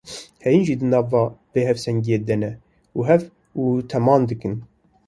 Heyîn jî di nava vê hevsengiyê de ne û hev û temam dikin.